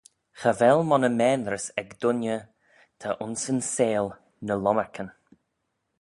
Cha vell monney maynrys eck dhoinney ta ayns yn seihll ny lomyrken.